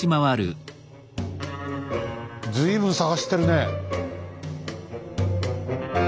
随分探してるね。